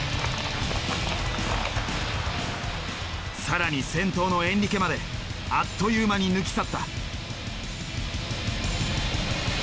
更に先頭のエンリケまであっという間に抜き去った。